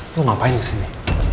lu ngapain kesini